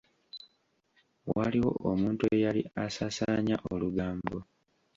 Waliwo omuntu eyali asaasaanya olugambo.